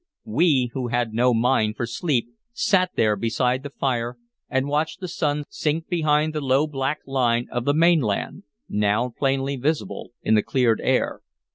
We who had no mind for sleep sat there beside the fire and watched the sun sink behind the low black line of the mainland, now plainly visible in the cleared air.